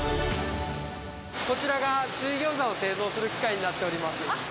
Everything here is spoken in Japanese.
こちらが、水ギョーザを製造する機械になっております。